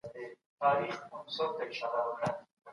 غیرت د ناموس او وطن د ساتنې لپاره تر ټولو پیاوړی ډال دی.